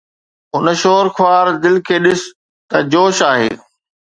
اُن شور، خوار دل کي ڏس ته جوش آهي